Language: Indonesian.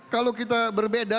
kalau kita berbeda